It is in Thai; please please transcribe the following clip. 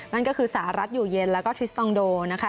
นั่นก็คือสหรัฐอยู่เย็นแล้วก็ทริสตองโดนะคะ